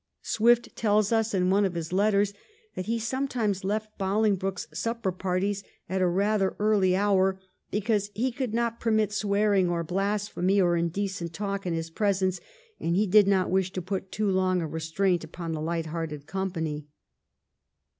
Swift tells us in one of his letters that he sometimes left Bolingbroke's supper parties at a rather early hour because he could not permit swearing or blasphemy or indecent talk in his presence, and he did not wish to put too long a restraint upon the light hearted company.